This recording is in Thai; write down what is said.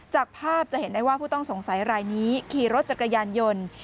จากภาพจะเห็นได้ว่าผู้ต้องสงสัยรายนี้ขี่รถจักรยานยนต์